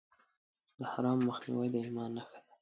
د حرامو مخنیوی د ایمان نښه ده.